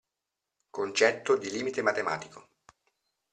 Concetto di limite matematico.